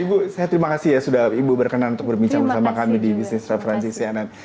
ibu saya terima kasih ya sudah ibu berkenan untuk berbincang bersama kami di bisnis referensi cnn